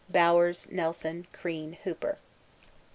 Bowers, Nelson, Crean, Hooper.